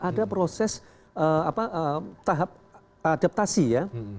ada proses tahap adaptasi ya